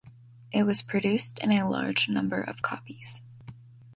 It was produced in a large number of copies.